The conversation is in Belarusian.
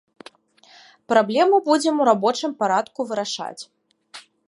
Праблему будзем у рабочым парадку вырашаць.